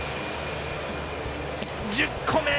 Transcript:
１０個目！